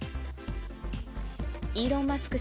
イーロン・マスク